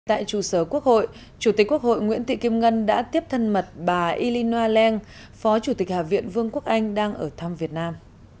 tại trụ sở quốc hội chủ tịch quốc hội nguyễn thị kim ngân đã tiếp thân mật bà ilinoa leng phó chủ tịch hạ viện vương quốc anh đang ở thăm việt nam